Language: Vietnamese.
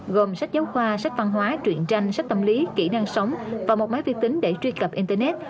gồm sách giáo khoa sách văn hóa truyện tranh sách tâm lý kỹ năng sống và một máy vi tính để truy cập internet